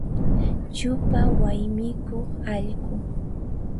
Chupa waymikuq allqu.